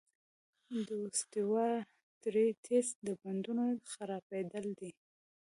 د اوسټیوارتریتس د بندونو خرابېدل دي.